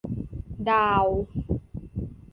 ดาวน์